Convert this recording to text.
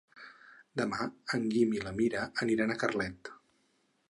Demà en Guim i na Mira aniran a Carlet.